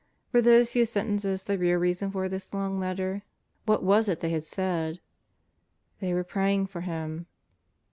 Were those few sentences the real reason for this long letter? What was it they had said? ... "They were praying for him.'